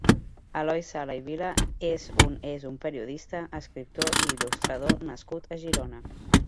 Eloi Sala i Vila és un és un periodista, escriptor i il·lustrador nascut a Girona.